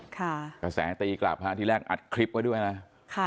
กระแสตีกลับฮะทีแรกอัดคลิปไว้ด้วยนะค่ะ